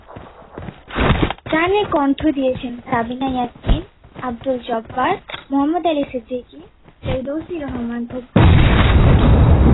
গানে কণ্ঠ দিয়েছেন সাবিনা ইয়াসমিন, আব্দুল জব্বার, মোহাম্মদ আলী সিদ্দিকী, ফেরদৌসী রহমান ও খুরশিদ আলম।